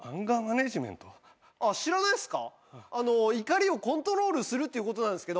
怒りをコントロールするっていうことなんですけど。